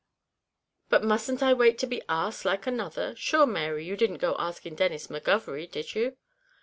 "But musn't I wait to be asked, like another? Sure, Mary, you didn't go asking Denis McGovery, did you?"